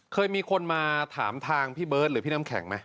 เคยมีคนมาถามทางพี่เบิร์ตหรือพี่น้ำแข็งไหม